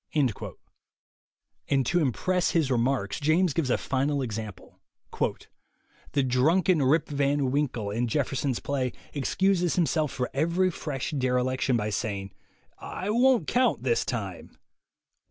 And to impress his remarks, James gives a final example : "The drunken Rip Van Winkle, in Jeffer son's play, excuses himself for every fresh derelic tion by saying, 'I won't count this time!'